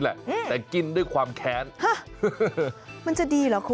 จนเหลือแต่เนื้อสีขาวแล้วนำไปหั่นเป็นท่อนสับจนละเอียดแล้วครับ